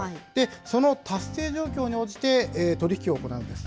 その達成状況に応じて取り引きを行うんです。